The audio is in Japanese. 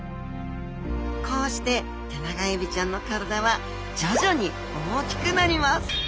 こうしてテナガエビちゃんの体は徐々に大きくなります。